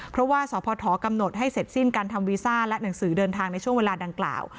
เพราะว่าสพกำหนดให้เสร็จสิ้นการทำวีซ่าและหนังสือเดินทางในช่วงเวลาดังกล่าว